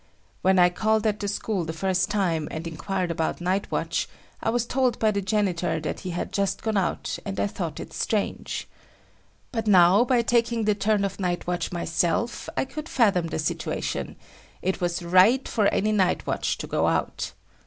When I called at the school the first time and inquired about night watch, I was told by the janitor that he had just gone out and I thought it strange. But now by taking the turn of night watch myself, I could fathom the situation; it was right for any night watch to go out.